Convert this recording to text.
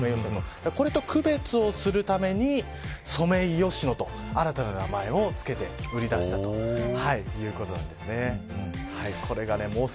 これと区別をするためにソメイヨシノと新たな名前を付けて売り出したということなんですね。